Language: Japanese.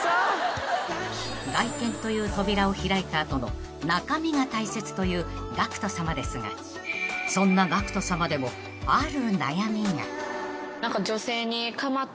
［外見という扉を開いた後の中身が大切というＧＡＣＫＴさまですがそんなＧＡＣＫＴさまでもある悩みが］